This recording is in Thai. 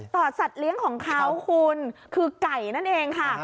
สัตว์เลี้ยงของเขาคุณคือไก่นั่นเองค่ะ